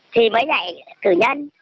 thì mới dạy cử nhân